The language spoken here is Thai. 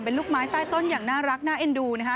เป็นลูกไม้ใต้ต้นอย่างน่ารักน่าเอ็นดูนะคะ